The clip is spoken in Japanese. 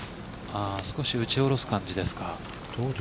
少し打ち下ろす感じですか。